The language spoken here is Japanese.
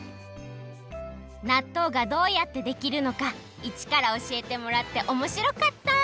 なっとうがどうやってできるのかいちからおしえてもらっておもしろかった！